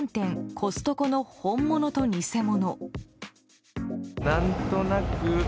コストコの本物と偽物。